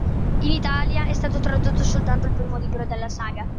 In Italia è stato tradotto soltanto il primo libro della saga.